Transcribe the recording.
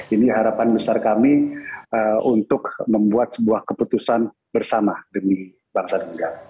ini harapan besar kami untuk membuat sebuah keputusan bersama demi bangsa dan negara